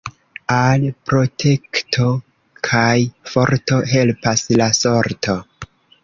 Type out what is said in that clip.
Al protekto kaj forto helpas la sorto.